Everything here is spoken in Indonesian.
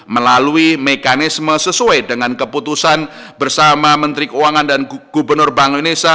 melalui mekanisme sesuai dengan keputusan bersama menteri keuangan dan gubernur bank indonesia